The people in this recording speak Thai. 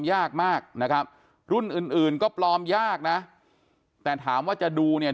ยากมากนะครับรุ่นอื่นอื่นก็ปลอมยากนะแต่ถามว่าจะดูเนี่ย